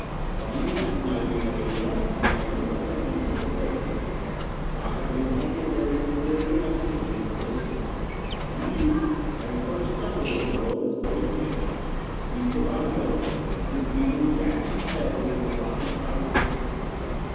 Plainly recognizing that a just and inevitable vengeance had overtaken it, the tiger made only a very inferior exhibition of resistance, and the youth, having first stunned it with a blow of his closed hand, seized it by the middle, and repeatedly dashed its head against the rocky sides of its retreat.